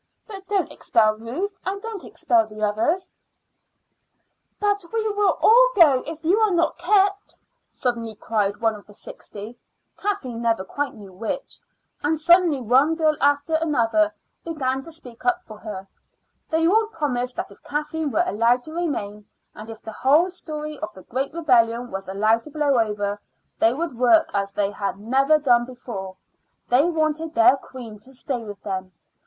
But don't expel Ruth, and don't expel the others." "But we will all go if you are not kept," suddenly cried one of the sixty, Kathleen never quite knew which; and suddenly one girl after another began to speak up for her, and all promised that if Kathleen were allowed to remain, and if the whole story of the great rebellion was allowed to blow over, they would work as they had never done before. They wanted their queen to stay with them.